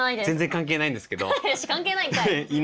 関係ないんかい！